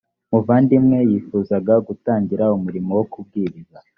muvandimwe yifuzaga gutangiza umurimo wo kubwiriza